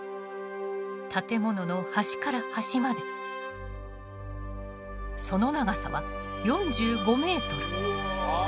建物の端から端までその長さは４５ｍ。